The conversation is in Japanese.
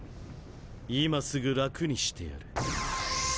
今すぐ楽にしてやる。